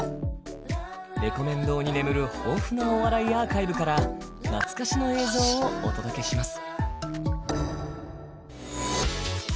れこめん堂に眠る豊富なお笑いアーカイブから懐かしの映像をお届けします